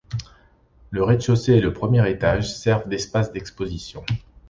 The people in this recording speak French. Le rez-de-chaussée et le premier étage servent d’espaces d’exposition.